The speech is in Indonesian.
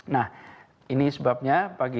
nah ini sebabnya